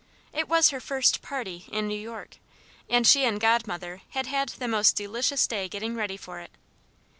It was her first "party" in New York, and she and Godmother had had the most delicious day getting ready for it.